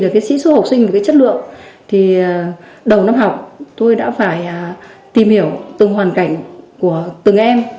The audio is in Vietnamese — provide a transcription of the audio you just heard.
với chất lượng thì đầu năm học tôi đã phải tìm hiểu từng hoàn cảnh của từng em